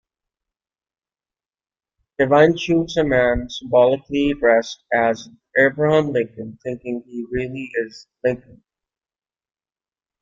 Devine shoots a man symbolically dressed as Abraham Lincoln, thinking he really is Lincoln.